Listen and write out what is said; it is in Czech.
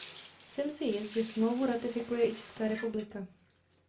Jsem si jist, že smlouvu ratifikuje i Česká republika.